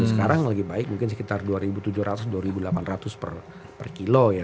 sekarang lagi baik mungkin sekitar rp dua tujuh ratus dua delapan ratus per kilo ya